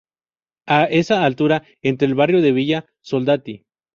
A esa altura entra al barrio de Villa Soldati.